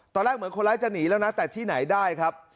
ตอนแรกเหมือนคนร้ายจะหนีแล้วนะแต่ที่ไหนได้ครับ